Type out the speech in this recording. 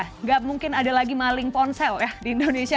tidak mungkin ada lagi maling ponsel ya di indonesia